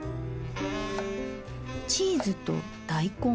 チーズと大根。